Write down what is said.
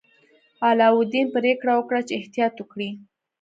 علاوالدین پریکړه وکړه چې احتیاط وکړي.